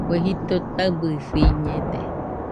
Kue jɨko taɨbɨsiñede